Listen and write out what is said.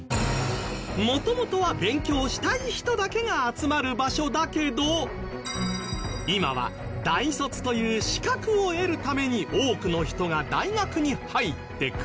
元々は勉強したい人だけが集まる場所だけど今は大卒という資格を得るために多くの人が大学に入ってくる